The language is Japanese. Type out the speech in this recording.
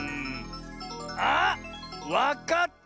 あっわかった！